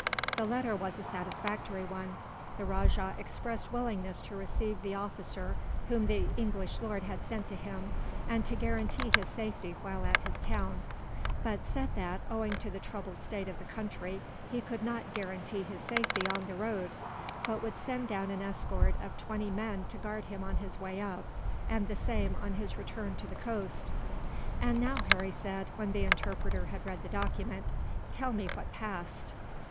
The letter was a satisfactory one. The rajah expressed willingness to receive the officer whom the English lord had sent to him, and to guarantee his safety while at his town; but said that, owing to the troubled state of the country, he could not guarantee his safety on the road, but would send down an escort of twenty men to guard him on his way up, and the same on his return to the coast. "And now," Harry said, when the interpreter had read the document, "tell me what passed."